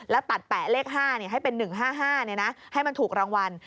แล้วตัดแปะเลข๕ให้เป็น๑๕๕ให้มันถูกรางวัล